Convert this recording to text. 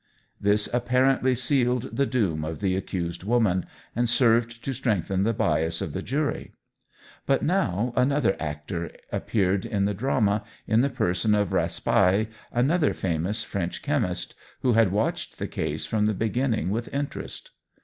This apparently sealed the doom of the accused woman, and served to strengthen the bias of the jury. But now another actor appeared in the drama in the person of Raspail, another famous French chemist, who had watched the case from the beginning with interest.